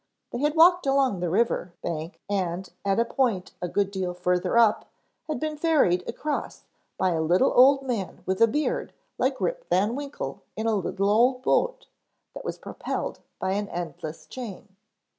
They had walked along the river bank and at a point a good deal further up had been ferried across by a little old man with a beard like Rip Van Winkle in a little old boat that was propelled by an endless chain.